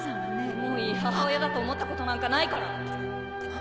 もういい母親だと思ったことなんかないから！